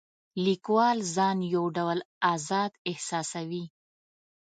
لیکوال ځان یو ډول آزاد احساسوي.